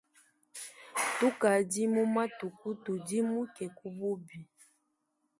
Tukadi mu matuku tudimuke ku bubi.